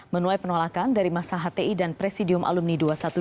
menuai penolakan dari masa hti dan presidium alumni dua ratus dua belas